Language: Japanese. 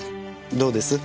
どうです？